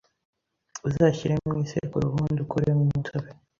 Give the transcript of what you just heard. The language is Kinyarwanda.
uzashyire mu isekuru ubundi ukuremo umutobe